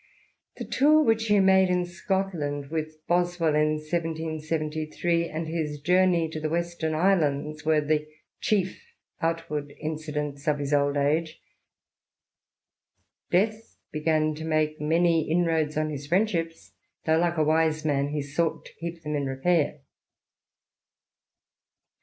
The tour which he made in Scotlan d^ with Bos^ rrll jn T773f "^^ ^is journey to the Western Islands in 1775, were the chief outward incidents of his old age. Death began to make many INTRODUCTION. xxix inroads on his friendships, though, like a wise man, he sought to keep them in repair.